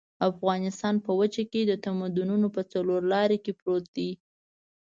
افغانستان په وچه کې د تمدنونو په څلور لاري کې پروت دی.